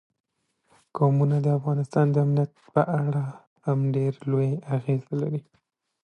قومونه د افغانستان د امنیت په اړه هم ډېر لوی اغېز لري.